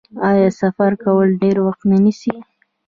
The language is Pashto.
آیا سفر کول ډیر وخت نه نیسي؟